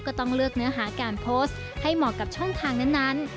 ก็ต้องเลือกเนื้อหาการโพสต์ให้เหมาะกับช่องทางนั้น